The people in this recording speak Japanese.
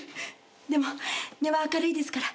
でも根は明るいですから。